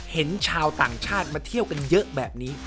เห็นชาวต่างชาติมาเที่ยวกันเยอะแบบนี้